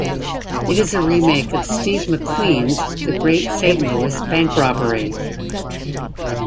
It is a remake of Steve McQueen's The Great Saint Louis Bank Robbery.